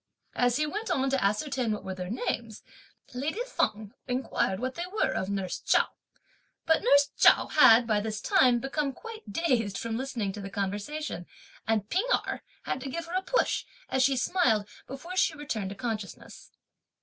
As he went on to ascertain what were their names, lady Feng inquired what they were of nurse Chao. But nurse Chao had, by this time, become quite dazed from listening to the conversation, and P'ing Erh had to give her a push, as she smiled, before she returned to consciousness.